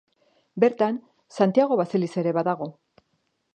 Bertan, Santiago baseliza ere badago.